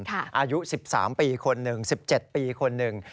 อายุ๑๓ปีคนหนึ่ง๑๗ปีคนหนึ่ง